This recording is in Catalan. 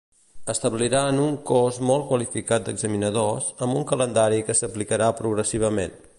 Establiran un cos molt qualificat d'examinadors, amb un calendari que s'aplicarà progressivament.